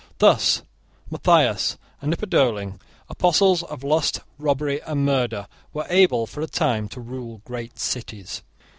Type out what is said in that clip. Thus Matthias and Kniperdoling, apostles of lust, robbery, and murder, were able for a time to rule great cities.